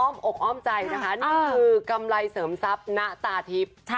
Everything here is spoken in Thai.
อ้อมออกอ้อมใจนี่คือกำไรเสริมซับณะตาทิพย์